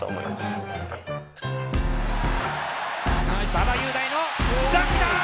馬場雄大のダンクだ！